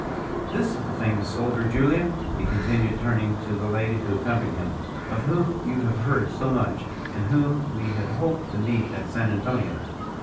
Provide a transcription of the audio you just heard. This is the famous soldier, Julia," he continued turning to the lady who accompanied him, "of whom you have heard so much, and whom we had hoped to meet at San Antonio."